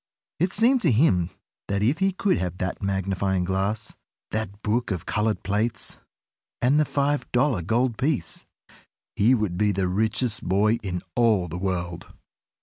It seemed to him that if he could have that magnifying glass, that book of colored plates, and the five dollar gold piece, he would be the richest boy in all the world!